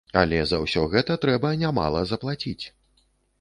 Але за ўсё гэта трэба нямала заплаціць.